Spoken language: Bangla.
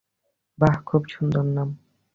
বাহ্, খুব সুন্দর নাম।